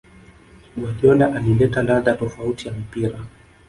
Guardiola alileta ladha tofauti ya mpira